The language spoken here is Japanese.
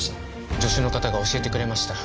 助手の方が教えてくれました